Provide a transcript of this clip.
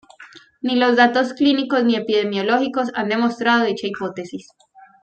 Ni los datos clínicos ni epidemiológicos han demostrado dicha hipótesis.